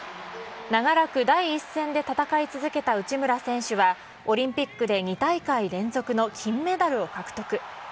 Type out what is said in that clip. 長らく、第一線で戦い続けた内村選手は、オリンピックで２大会連続の金メダルを獲得。